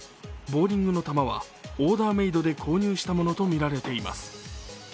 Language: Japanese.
ボウリングの球はオーダーメイドで購入したものとみられています。